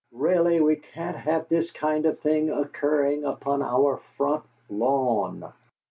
Really, we can't have this kind of thing occurring upon our front lawn!"